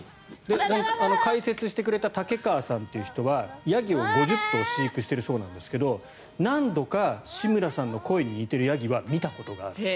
解説してくれた竹川さんという人はヤギを５０頭飼育しているようですが何度か志村さんの声に似ているヤギは見たことがある。